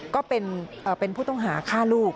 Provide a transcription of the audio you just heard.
ก็เป็นผู้ต้องหาฆ่าลูก